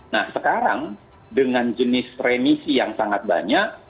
nah sekarang dengan jenis remisi yang sangat banyak